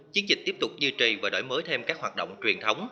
chiến dịch tiếp tục duy trì và đổi mới thêm các hoạt động truyền thống